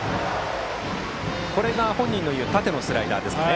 これが本人の言う縦のスライダーですかね。